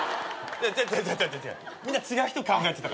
違う違う違うみんな違う人考えてたから。